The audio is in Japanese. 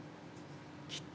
きっと。